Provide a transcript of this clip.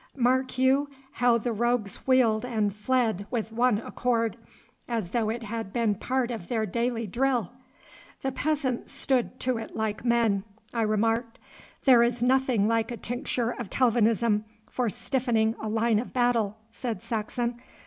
Mark you how the rogues wheeled and fled with one accord, as though it had been part of their daily drill!' 'The peasants stood to it like men,' I remarked. 'There is nothing like a tincture of Calvinism for stiffening a line of battle,' said Saxon.